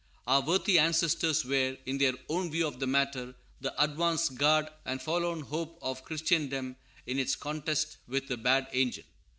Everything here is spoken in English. Our worthy ancestors were, in their own view of the matter, the advance guard and forlorn hope of Christendom in its contest with the bad angel.